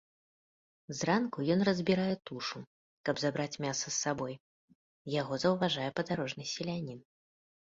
Зранку ён разбірае тушу, каб забраць мяса з сабой, яго заўважае падарожны селянін.